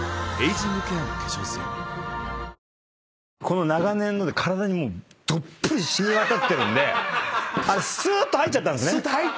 この長年ので体にもうどっぷり染み渡ってるんですーっと入っちゃったんですね。